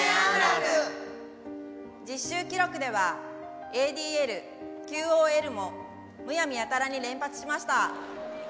「実習記録ではＡＤＬＱＯＬもむやみやたらに連発しました」。